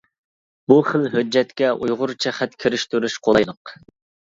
بۇ خىل ھۆججەتكە ئۇيغۇرچە خەت كىرىشتۈرۈش قولايلىق.